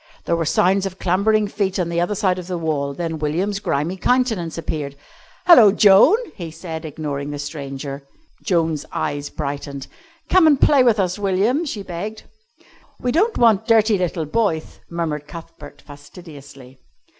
There were sounds of clambering feet on the other side of the wall, then William's grimy countenance appeared. "Hello, Joan!" he said, ignoring the stranger. Joan's eyes brightened. "Come and play with us, William," she begged. "We don't want dirty little boyth," murmured Cuthbert fastidiously.